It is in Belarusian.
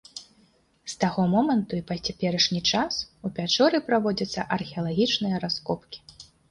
З таго моманту і па цяперашні час у пячоры праводзяцца археалагічныя раскопкі.